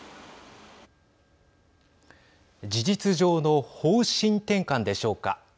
事実上の方針転換でしょうか。